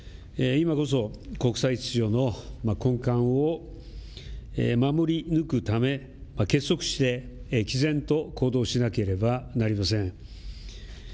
今こそ国際秩序の根幹を守り抜くため結束してきぜんと行動しなければなりません。